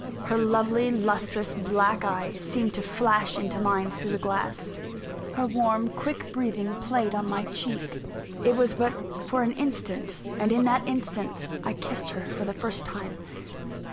Her lovely lustrous black eye seemed to flash into mine through the glass; her warm, quick breathing played on my cheek it was but for an instant, and in that instant I kissed her for the first time.